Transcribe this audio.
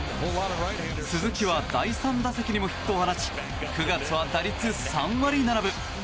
鈴木は第３打席にもヒットを放ち９月は打率３割７分。